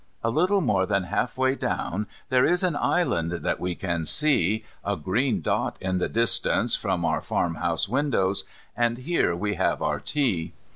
A little more than half way down there is an island that we can see, a green dot in the distance, from our farmhouse windows, and here we have our tea.